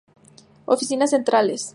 Oficinas Centrales